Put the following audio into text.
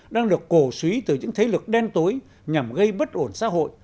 đang được cổ suý từ những thế lực đen tối nhằm gây bất ổn xã hội